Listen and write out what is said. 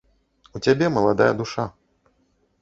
У цябе маладая душа.